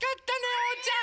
おうちゃん！